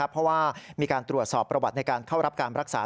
เพราะว่ามีการตรวจสอบประวัติในการเข้ารับการรักษา